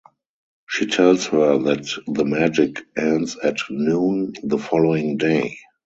She tells her that the magic ends at noon the following day.